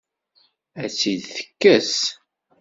Ad tt-id-tekkes?